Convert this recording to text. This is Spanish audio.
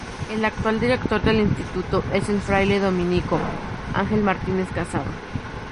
El actual director del instituto, es el fraile dominico, Ángel Martínez Casado.